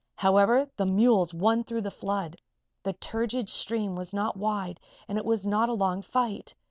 However, the mules won through the flood. The turgid stream was not wide and it was not a long fight.